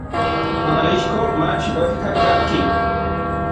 Tonalixco mach uejka kajki.